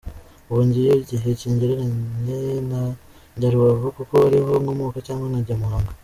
Ubu njye iyo igihe kingeranye njya Rubavu kuko ari ho nkomoka cyangwa nkajya Muhanga.